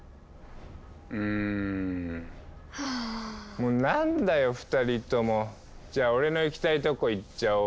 もう何だよ２人とも。じゃあ俺の行きたいとこ行っちゃおう。